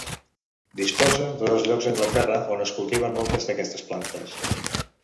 Disposa de dos llocs a Anglaterra on es cultiven moltes d'aquestes plantes.